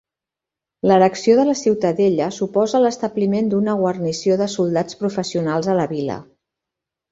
L'erecció de la ciutadella suposà l'establiment d'una guarnició de soldats professionals a la vila.